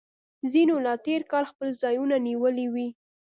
ځینو لا تیر کال خپل ځایونه نیولي وي